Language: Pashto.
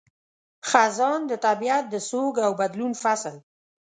خزان – د طبیعت د سوګ او بدلون فصل